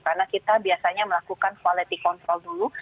karena kita biasanya melakukan quality control dulu